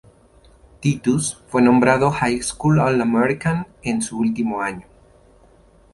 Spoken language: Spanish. Titus fue nombrado High School All-American en su último año.